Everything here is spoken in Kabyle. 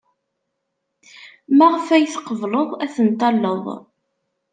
Maɣef ay tqebled ad ten-talled?